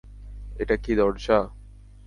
এটা কি দরজা?